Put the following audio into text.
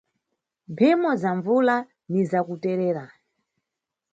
Mphimo za mbvula ni zakuterera.